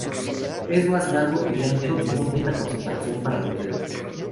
Es más largo y ancho, y no cuenta con separación para los dedos.